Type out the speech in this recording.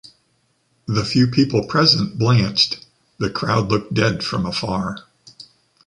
The few people present blanched, the crowd looked dead from afar.